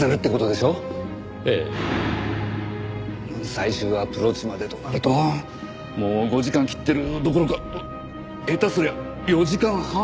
最終アプローチまでとなるともう５時間切ってるどころか下手すりゃ４時間半。